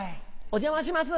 お邪魔します。